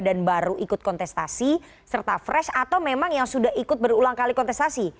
dan baru ikut kontestasi serta fresh atau memang yang sudah ikut berulang kali kontestasi